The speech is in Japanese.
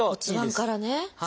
骨盤からね。